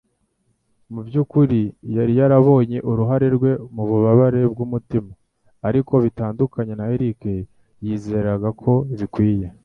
Mu byukuri yari yarabonye uruhare rwe mububabare bwumutima, ariko bitandukanye na Eric, yizeraga ko bikwiye.